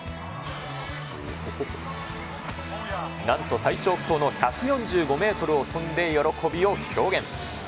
なんと最長不倒の１４５メートルを飛んで喜びを表現。